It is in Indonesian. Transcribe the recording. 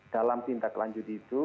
dalam tindak lanjuti itu